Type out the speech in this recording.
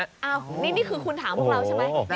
นี่คือคุณถามพวกเราใช่ไหม